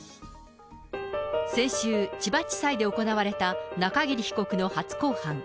先週、千葉地裁で行われた中桐被告の初公判。